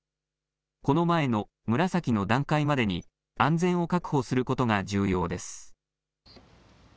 この前の紫の段階までに安全を確保することが重要です。